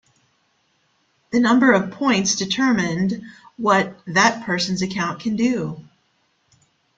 The number of points determined what that person's account can do.